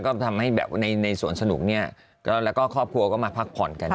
ก็ทำให้แบบในสวนสนุกเนี่ยแล้วก็ครอบครัวก็มาพักผ่อนกัน